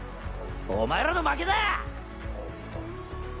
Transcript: お前らの負けだ！